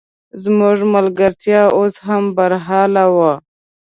زموږ ملګرتیا اوس هم برحاله وه.